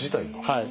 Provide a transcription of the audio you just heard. はい。